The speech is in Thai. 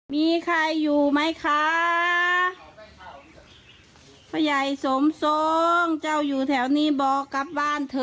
มีใครอยู่ไหมคะผู้ใหญ่สมทรงเจ้าอยู่แถวนี้บอกกลับบ้านเถอะ